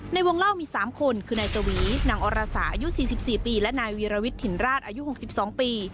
ในวงเล่ามีสามคนคือนายสวีนางอราษาอายุสี่สิบสี่ปีและนายวิราวิทย์ถิ่นราชอายุหกสิบสองปี